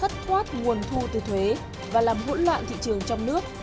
thất thoát nguồn thu từ thuế và làm hỗn loạn thị trường trong nước